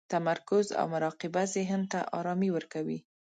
تمرکز او مراقبه ذهن ته ارامي ورکوي.